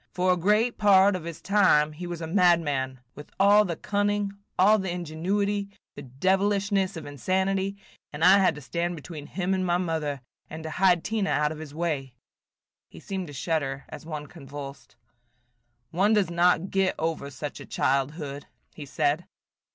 For a great part of his time he was a madman, with all the cunning, all the ingenuity, the devilishness of insanity, and I have had to stand between him and my mother, and to hide Tina out of his way." He seemed to shudder as one convulsed. "One does not get over such a childhood," he said.